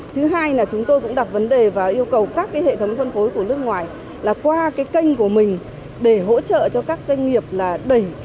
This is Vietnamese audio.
thứ hai là chúng tôi cũng đặt vấn đề và yêu cầu các hệ thống phân phối của nước ngoài là qua cái kênh của mình để hỗ trợ cho các doanh nghiệp là